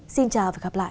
xin chào và hẹn gặp lại